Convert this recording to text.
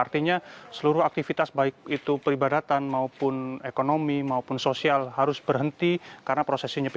artinya seluruh aktivitas baik itu peribadatan maupun ekonomi maupun sosial harus berhenti karena prosesnya nyepi